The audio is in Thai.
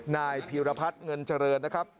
นายพีรพัฒน์เงินเจริญนะครับ